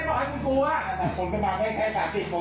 นี่ไอ้ปุ๊พอใจไหม